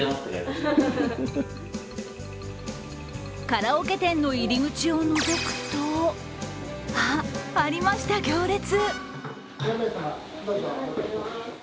カラオケ店の入り口をのぞくと、あっ、ありました、行列。